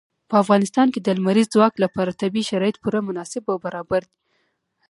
په افغانستان کې د لمریز ځواک لپاره طبیعي شرایط پوره مناسب او برابر دي.